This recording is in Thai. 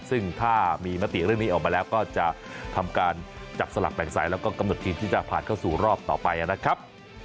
ซึ่งถ้ามีมติเรื่องนี้ออกมาแล้วก็จะทำการจับสลักแบ่งใสแล้วก็กำหนดทีมที่จะผ่านเข้าสู่รอบต่อไปนะครับ